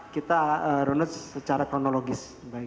kita runut secara kronologis